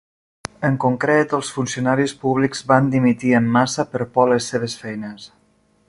En concret, els funcionaris públics van dimitir en massa per por a les seves feines.